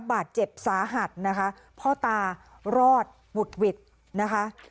บาดเจ็บสาหัสนะคะพ่อตารอดบุดหวิดนะคะ